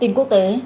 tình quốc tế